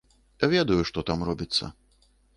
Ведаю, што там робіцца.